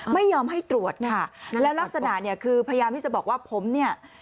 ไม่ยอมให้ตรวจค่ะแล้วลักษณะคือพยายามที่จะบอกว่า